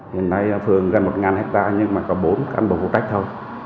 hiện nay phương gần một hectare nhưng mà có bốn cảnh bộ phụ trách thôi